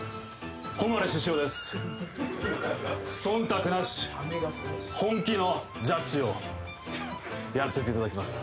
忖度なし本気のジャッジをやらせていただきます。